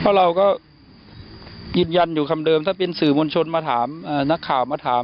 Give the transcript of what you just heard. เพราะเราก็ยืนยันอยู่คำเดิมถ้าเป็นสื่อมวลชนมาถามนักข่าวมาถาม